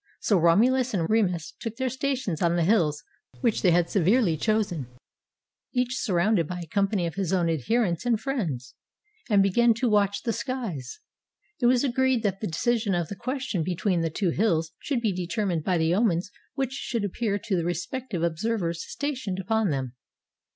So Romulus and Remus took their stations on the hills which they had severally chosen, each sur rounded by a company of his own adherents and friends, and began to watch the skies. It was agreed that the decision of the question between the two hills should be determined by the omens which should appear to the respective observers stationed upon them.